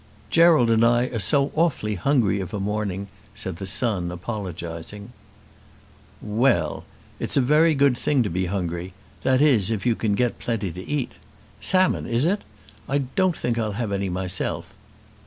"Gerald and I are so awfully hungry of a morning," said the son, apologising. "Well; it's a very good thing to be hungry; that is if you can get plenty to eat. Salmon, is it? I don't think I'll have any myself.